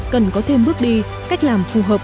cần có thêm bước đi cách làm phù hợp